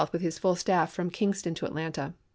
12th with his full staff from Kingston to Atlanta.